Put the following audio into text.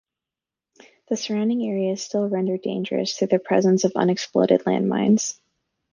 The surrounding area is still rendered dangerous through the presence of unexploded land mines.